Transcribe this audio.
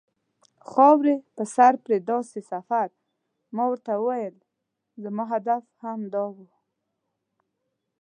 خاورې په سر پر داسې سفر، ما ورته وویل: زما هدف هم همدا و.